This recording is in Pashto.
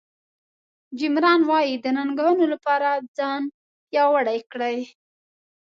جیم ران وایي د ننګونو لپاره ځان پیاوړی کړئ.